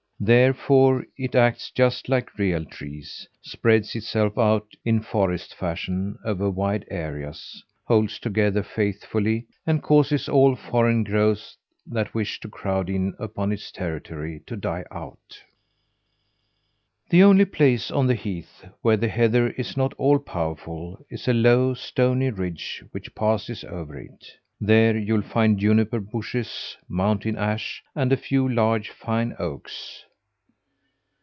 Therefore it acts just like real trees spreads itself out in forest fashion over wide areas; holds together faithfully, and causes all foreign growths that wish to crowd in upon its territory to die out. The only place on the heath where the heather is not all powerful, is a low, stony ridge which passes over it. There you'll find juniper bushes, mountain ash, and a few large, fine oaks.